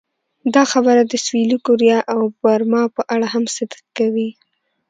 دا خبره د سویلي کوریا او برما په اړه هم صدق کوي.